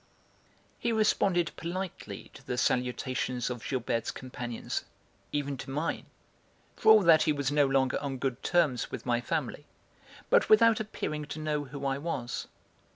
He responded politely to the salutations of Gilberte's companions, even to mine, for all that he was no longer on good terms with my family, but without appearing to know who I was.